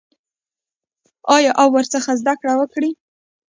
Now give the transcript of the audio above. آیا او ورڅخه زده کړه وکړي؟